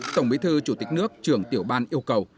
tổng bế thư chủ tịch nước trưởng tiểu ban yêu cầu